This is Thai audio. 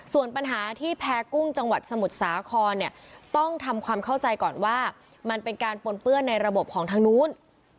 ส่วนปัญหาที่แพ้กุ้งจังหวัดสมุทรสาครเนี่ยต้องทำความเข้าใจก่อนว่ามันเป็นการปนเปื้อนในระบบของทางนู้น